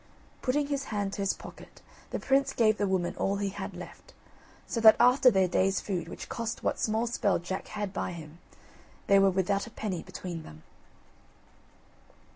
Putting his hand to his pocket, the prince gave the woman all he had left, so that after their day's food, which cost what small spell Jack had by him, they were without a penny between them.